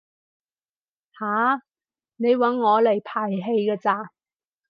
吓？你搵我嚟排戲㗎咋？